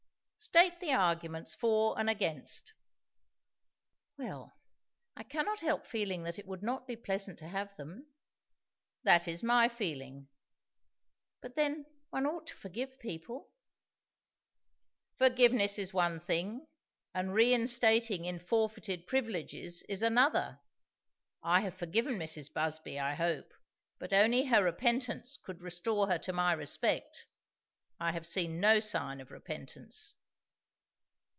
"State the arguments, for and against." "Well! I cannot help feeling that it would not be pleasant to have them." "That is my feeling." "But then, one ought to forgive people?" "Forgiveness is one thing, and reinstating in forfeited privileges is another. I have forgiven Mrs. Busby, I hope; but only her repentance could restore her to my respect. I have seen no sign of repentance."